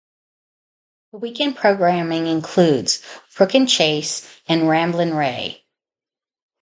The weekend programming includes "Crook and Chase", and Ramblin' Ray.